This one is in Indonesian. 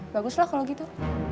bagus lah kalau gitu